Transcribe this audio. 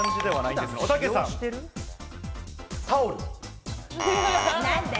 タオル。